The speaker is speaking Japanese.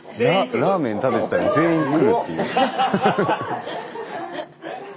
ラーメン食べてたら全員来るっていう。